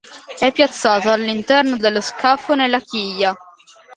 È piazzato all'interno dello scafo, nella chiglia.